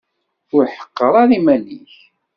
Ur ḥeqqer ara iman-ik.